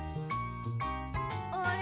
あれ？